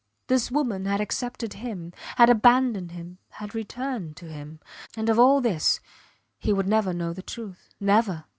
This woman had accepted him, had abandoned him had returned to him. And of all this he would never know the truth. Never.